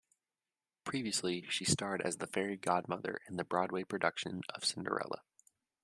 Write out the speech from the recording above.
Previously, she starred as the Fairy Godmother in the Broadway production of "Cinderella".